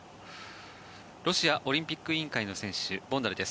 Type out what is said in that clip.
ロシアオリンピック委員会の選手ボンダルです。